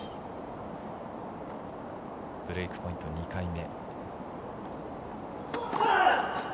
ブレークポイント２回目。